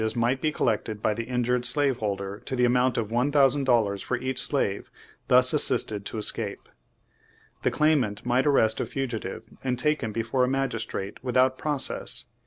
Page Twenty four might be collected by the injured slave holder to the amount of one thousand dollars for each slave thus assisted to escape. The claimant might arrest a fugitive and take him before a magistrate without process.